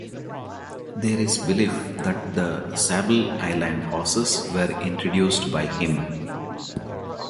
There is belief that the Sable Island horses were introduced by him.